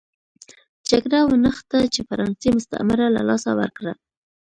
جګړه ونښته چې فرانسې مستعمره له لاسه ورکړه.